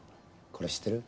これ知ってる？